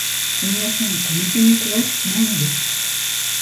すみません、この辺に詳しくないんです。